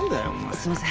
すいません